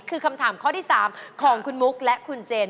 คือคำถามข้อที่๓ของคุณมุกและคุณเจน